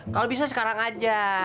kalau bisa sekarang aja